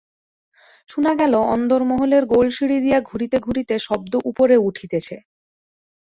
শুনা গেল, অন্দরমহলের গোলসিঁড়ি দিয়া ঘুরিতে ঘুরিতে শব্দ উপরে উঠিতেছে।